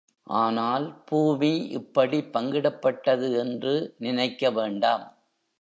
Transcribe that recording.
ஆனால் பூமி இப்படிப் பங்கிடப்பட்டது என்று நினைக்க வேண்டாம்.